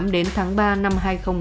đến tháng ba năm hai nghìn một mươi chín